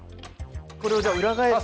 これをじゃあ裏返すんですね。